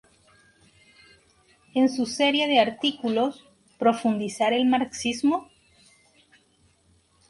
En su serie de artículos "¿Profundizar el marxismo?